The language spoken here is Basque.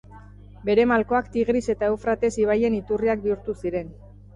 Bere malkoak Tigris eta Eufrates ibaien iturriak bihurtu ziren.